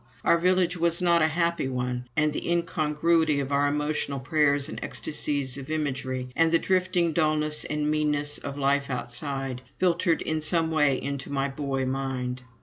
Our village was not a happy one, and the incongruity of our emotional prayers and ecstasies of imagery, and the drifting dullness and meanness of the life outside, filtered in some way into my boy mind.